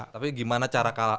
tapi gimana cara kalah